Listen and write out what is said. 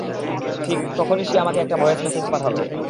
ঠিক তখনি সে আমাকে একটা ভয়েস মেসেজ পাঠাল।